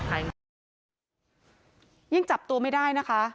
อ่ะค่ะยังจับตัวไม่ได้นะคะ